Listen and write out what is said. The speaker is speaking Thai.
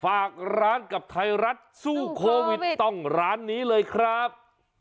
ฝากร้านกับไทยรัฐสู้โควิดต้องร้านนี้เลยครับ